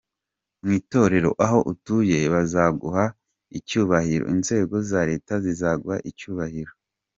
Mu itorero, aho utuye bazaguha icyubahiro, inzego za Leta zizaguha icyubahiro.